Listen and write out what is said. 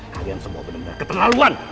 kalian semua bener bener keterlaluan